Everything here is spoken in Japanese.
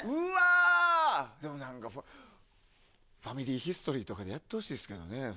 でも何か「ファミリーヒストリー」とかでやってほしいですけどね。